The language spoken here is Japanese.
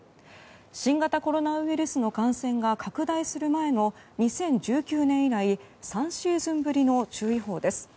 新型コロナウイルスの感染が拡大する前の２０１９年以来３シーズンぶりの注意報です。